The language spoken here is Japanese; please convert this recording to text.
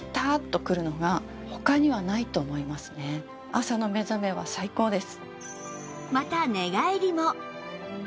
朝の目覚めは最高です。